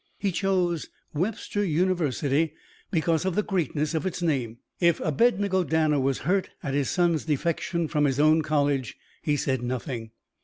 He chose Webster University because of the greatness of its name. If Abednego Danner was hurt at his son's defection from his own college, he said nothing.